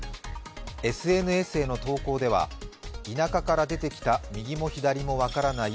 ＳＮＳへの投稿では、田舎から出てきた右も左も分からない